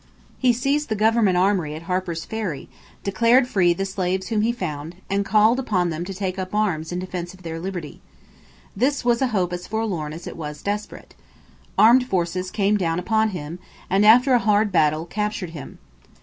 He seized the government armory at Harper's Ferry, declared free the slaves whom he found, and called upon them to take up arms in defense of their liberty. His was a hope as forlorn as it was desperate. Armed forces came down upon him and, after a hard battle, captured him.